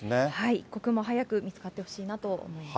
一刻も早く見つかってほしいなと思います。